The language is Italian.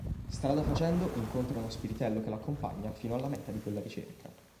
Strada facendo incontra uno spiritello che lo accompagna fino alla meta di quella ricerca.